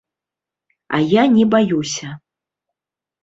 А я не баюся.